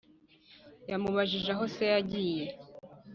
Yamubajije aho se yagiye